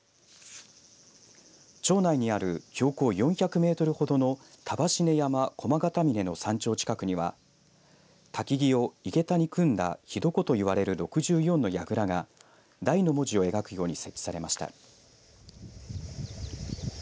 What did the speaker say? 町内にある標高４００メートルほどの束稲山、駒形峰の山頂近くにはたきぎを井桁に組んだ火床と呼ばれる６４のやぐらが大の文字を描くように設置されました。